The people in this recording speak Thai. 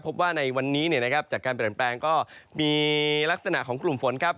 พบว่าในวันนี้จากการเปลี่ยนแปลงก็มีลักษณะของกลุ่มฝนครับ